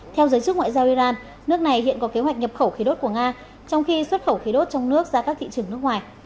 theo giới chức ngoại giao iran nước này hiện có kế hoạch nhập khẩu khí đốt của nga trong khi xuất khẩu khí đốt trong nước ra các thị trường nước ngoài